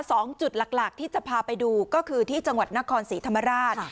สองจุดหลักที่จะพาไปดูก็คือที่จังหวัดนครศรีธรรมราช